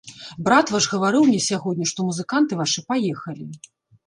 Брат ваш гаварыў мне сягоння, што музыканты вашы паехалі.